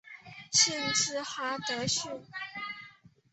县治哈得逊。